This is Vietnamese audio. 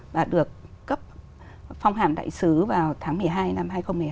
và được cấp phong hàm đại sứ vào tháng một mươi hai năm hai nghìn một mươi hai